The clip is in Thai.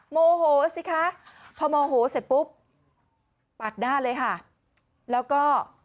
โมโหสิคะพอโมโหเสร็จปุ๊บปาดหน้าเลยค่ะแล้วก็